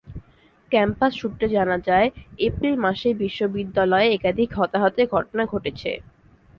Campus সূত্রে জানা যায়, এপ্রিল মাসেই বিশ্ববিদ্যালয়ে একাধিক হতাহতের ঘটনা ঘটেছে।